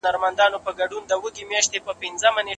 افغان نجوني عادلانه محکمې ته اسانه لاسرسی نه لري.